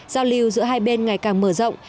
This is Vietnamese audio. giao lưu giữa hai bên ngày càng mở rộng